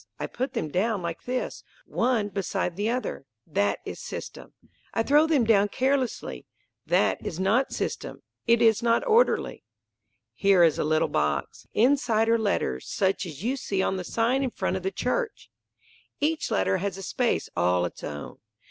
I put them down like this, one beside the other, that is system. I throw them down carelessly, that is not system, it is not orderly. Here is a little box. Inside are letters, such as you see on the sign in front of the Church. Each letter has a space all its own.